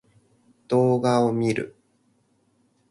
動画を見る